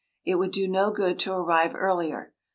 It would do no good to arrive earlier.